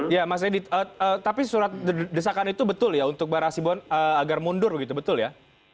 ya mas edi tapi surat desakan itu betul ya untuk barah asibon agar mundur begitu betul ya